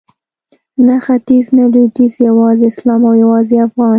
نه ختیځ نه لویدیځ یوازې اسلام او یوازې افغان